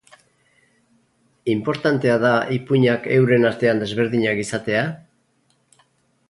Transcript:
Inportantea da ipuinak euren artean desberdinak izatea?